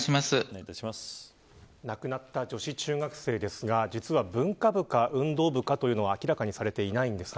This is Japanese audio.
亡くなった女子中学生ですが実は文化部か運動部かというのは明らかにされていないんです。